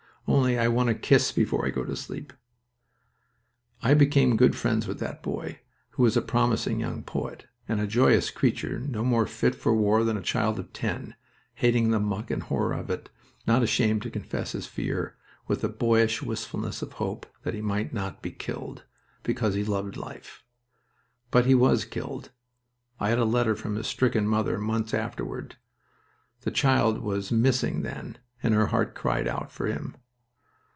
Only I want a kiss before I go to sleep." I became good friends with that boy, who was a promising young poet, and a joyous creature no more fit for war than a child of ten, hating the muck and horror of it, not ashamed to confess his fear, with a boyish wistfulness of hope that he might not be killed, because he loved life. But he was killed... I had a letter from his stricken mother months afterward. The child was "Missing" then, and her heart cried out for him.